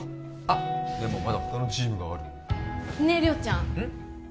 あでもまだ他のチームがあるねえ亮ちゃんうん？